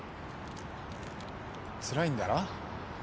つらいんだろ？